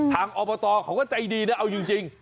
ทางอบตเขาก็ใจดีนะเอาอยู่จริง